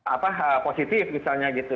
apa positif misalnya gitu